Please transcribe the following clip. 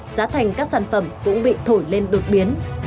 giá thành các sản phẩm cũng bị thổi lên đột biến